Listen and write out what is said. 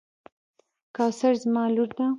کوثر زما لور ده.